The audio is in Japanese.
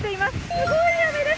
すごい雨です。